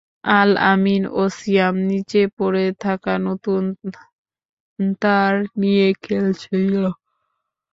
আল আমিন ও সিয়াম নিচে পড়ে থাকা নতুন তার নিয়ে খেলছিল।